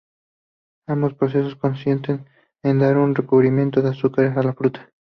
Ambos procesos consisten en dar un recubrimiento de azúcar a la fruta.